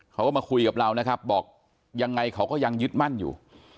เขาก็มาคุยกับเรานะครับบอกยังไงเขาก็ยังยึดมั่นอยู่